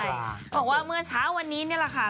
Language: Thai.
บอกว่าเมื่อเช้าวันนี้นี่แหละค่ะ